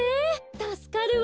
たすかるわ！